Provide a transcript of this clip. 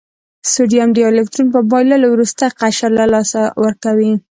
سوډیم د یو الکترون په بایللو وروستی قشر له لاسه ورکوي.